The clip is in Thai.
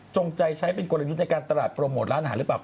ใจใช้เป็นกลยุทธ์ในการตลาดโปรโมทร้านอาหารหรือเปล่า